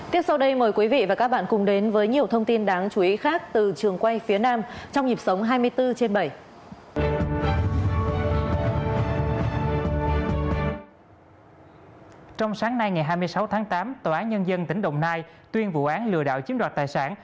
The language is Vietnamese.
trong sáng nay ngày hai mươi sáu tháng tám tòa án nhân dân tỉnh đồng nai tuyên vụ án lừa đạo chiếm đoạt tài sản